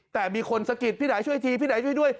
แต่มีคนสะกิดพี่ไหนช่วยทีพี่ไหนช่วยด้วย